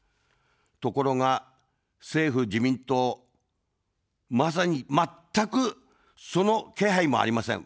ところが政府・自民党、まさに全くその気配もありません。